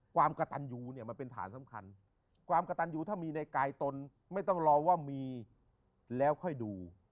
ความกระตันยูเนี่ยมันเป็นฐานสำคัญความกระตันยูถ้ามีในกายตนไม่ต้องรอว่ามีแล้วค่อยดู